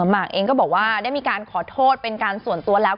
หมากเองก็บอกว่าได้มีการขอโทษเป็นการส่วนตัวแล้ว